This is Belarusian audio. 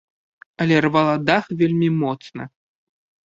Але рвала дах вельмі моцна.